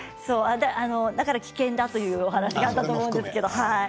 だから危険だというお話があったと思うんですけれども。